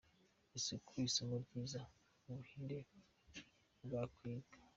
Isuku, isomo ryiza u Buhinde bwakwiga.